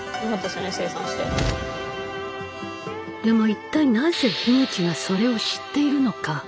でも一体なぜ樋口がそれを知っているのか。